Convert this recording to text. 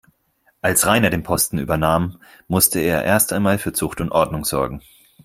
Als Rainer den Posten übernahm, musste er erst einmal für Zucht und Ordnung sorgen.